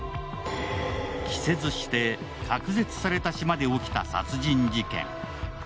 期せずして隔絶された島で起きた殺人事件。